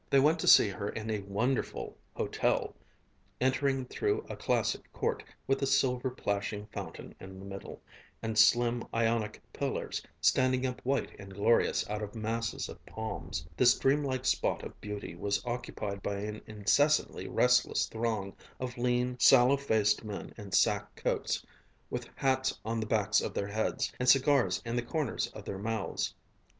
They went to see her in a wonderful hotel, entering through a classic court, with a silver plashing fountain in the middle, and slim Ionic pillars standing up white and glorious out of masses of palms. This dreamlike spot of beauty was occupied by an incessantly restless throng of lean, sallow faced men in sack coats, with hats on the backs of their heads and cigars in the corners of their mouths.